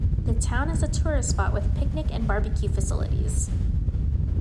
The town is a tourist spot with picnic and barbecue facilities.